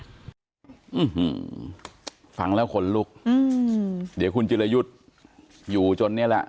อืมฟังแล้วขนลุกอืมเดี๋ยวคุณจิรยุทธ์อยู่จนเนี่ยแหละ